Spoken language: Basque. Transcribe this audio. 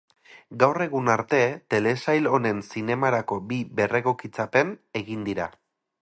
Gaur egun arte telesail honen zinemarako bi berregokitzapen egin dira.